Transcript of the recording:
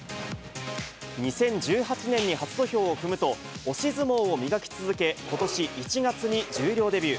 ２０１８年に初土俵を踏むと、押し相撲を磨き続け、ことし１月に十両デビュー。